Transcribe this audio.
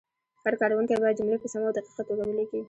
هر کارونکی باید جملې په سمه او دقیقه توګه ولیکي.